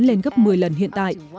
lên gấp một mươi lần hiện tại